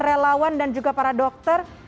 relawan dan juga para dokter